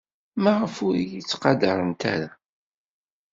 Maɣef ur iyi-ttqadarent ara?